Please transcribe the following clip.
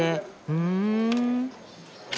ふん。